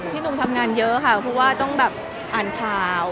หนุ่มทำงานเยอะค่ะเพราะว่าต้องแบบอ่านข่าว